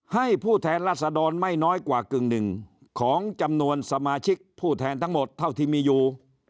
ผู้แทนรัศดรไม่น้อยกว่ากึ่งหนึ่งของจำนวนสมาชิกผู้แทนทั้งหมดเท่าที่มีอยู่